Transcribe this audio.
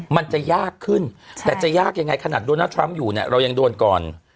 มันจะยากขึ้นแต่จะยากยังไงขนาดโดนัททรัมป์อยู่เนี่ยเรายังโดนก่อน